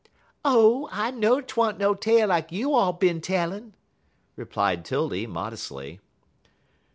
"Oh, I know'd 't wa'n't no tale like you all bin tellin'," replied 'Tildy, modestly.